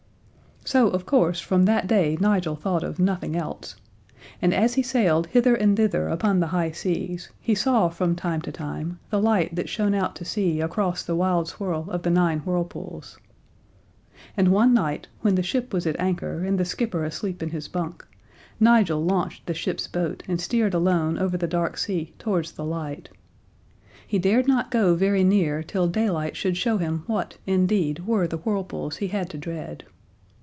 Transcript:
So, of course, from that day Nigel thought of nothing else. And as he sailed hither and thither upon the high seas he saw from time to time the light that shone out to sea across the wild swirl of the Nine Whirlpools. And one night, when the ship was at anchor and the skipper asleep in his bunk, Nigel launched the ship's boat and steered alone over the dark sea towards the light. He dared not go very near till daylight should show him what, indeed, were the whirlpools he had to dread.